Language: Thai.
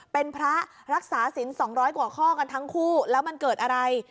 เป็นพระรักษาศิลป์๒๐๐กว่าข้อกันทั้งคู่แล้วมันเกิดอะไร